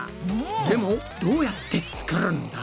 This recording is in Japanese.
でもどうやって作るんだ？